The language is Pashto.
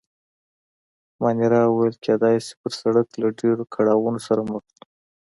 مانیرا وویل: کېدای شي، پر سړک له ډېرو کړاوو سره مخ شو.